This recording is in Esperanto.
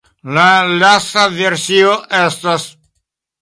La lasta versio estas.